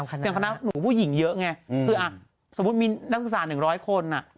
อย่างคณะหนูผู้หญิงเยอะไงคือสมมุติมีนักศึกษา๑๐๐คน